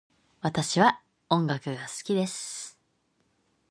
私は音楽が好きです。